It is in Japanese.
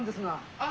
あっ！